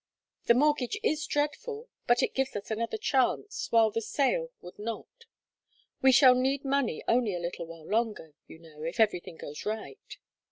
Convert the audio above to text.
The mortgage is dreadful, but it gives us another chance, while the sale would not. We shall need money only a little while longer, you know, if everything goes right."